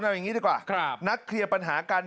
เอาอย่างนี้ดีกว่านัดเคลียร์ปัญหากัน